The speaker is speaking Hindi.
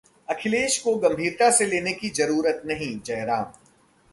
अखिलेश को गंभीरता से लेने की जरूरत नहीं: जयराम